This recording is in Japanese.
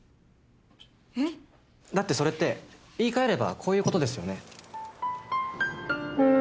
えっ？だってそれって言い換えればこういうことですよね？